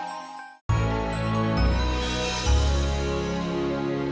dan meskipun akhirnya rezeki sendiri terjun